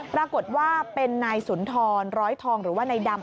ปรากฏว่าเป็นนายสุนทรร้อยทองหรือว่านายดำ